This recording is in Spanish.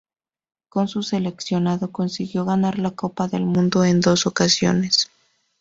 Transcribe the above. Con su seleccionado consiguió ganar la Copa del Mundo en dos ocasiones.